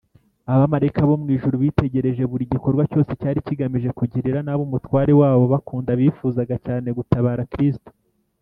abamarayika bo mu ijuru bitegereje buri gikorwa cyose cyari kigamije kugirira nabi umutware wabo bakunda bifuzaga cyane gutabara kristo